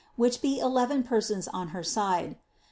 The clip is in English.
^n be eleven persons on her side.